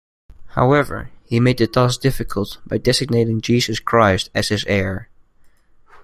However he made the task difficult by designating Jesus Christ as his heir.